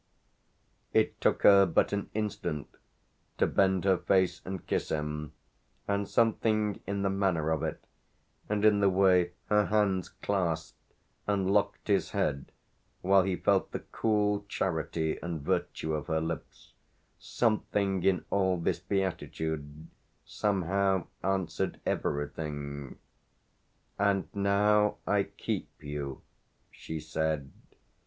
It took her but an instant to bend her face and kiss him, and something in the manner of it, and in the way her hands clasped and locked his head while he felt the cool charity and virtue of her lips, something in all this beatitude somehow answered everything. "And now I keep you," she said.